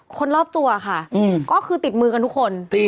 คนรอบตัวค่ะก็คือติดมือกันทุกคน